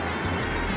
jangan makan aku